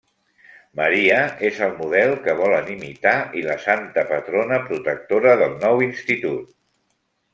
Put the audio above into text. Maria és el model que volen imitar i la santa patrona protectora del nou institut.